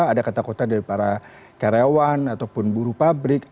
ada ketakutan dari para karyawan ataupun buruh pabrik